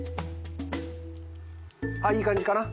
あいい感じかな？